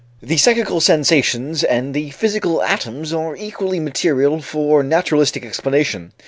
The psychical sensations and the physical atoms are equally material for naturalistic explanation.